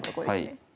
はい。